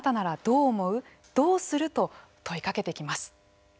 どうする？と問いかけてきます。